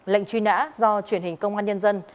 lệnh truy nã do truyền hình công an nhân dân